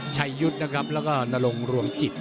ยุทธ์นะครับแล้วก็นรงรวมจิต